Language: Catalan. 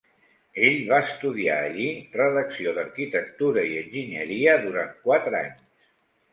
Ell va estudiar allí redacció d'arquitectura i enginyeria durant quatre anys.